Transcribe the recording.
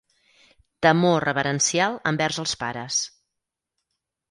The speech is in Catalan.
Temor reverencial envers els pares.